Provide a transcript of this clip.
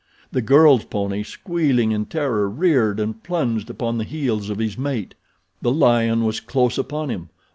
The girl's pony, squealing in terror, reared and plunged upon the heels of his mate. The lion was close upon him.